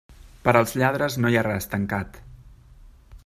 Per als lladres no hi ha res tancat.